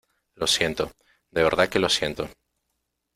lo siento, de verdad que lo siento.